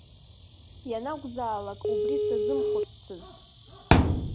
Ианакәзаалак убри сазымхәыццызт.